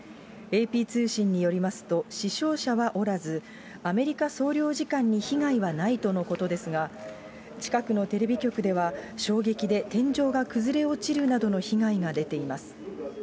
ＡＰ通信によりますと、死傷者はおらず、アメリカ総領事館に被害はないとのことですが、近くのテレビ局では、衝撃で天井が崩れ落ちるなどの被害が出ています。